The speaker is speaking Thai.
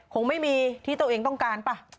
คงไม่มีที่ตัวเองต้องการป่ะ